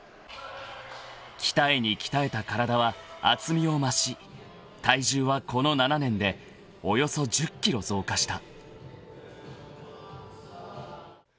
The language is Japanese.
［鍛えに鍛えた体は厚みを増し体重はこの７年でおよそ１０ｋｇ増加した］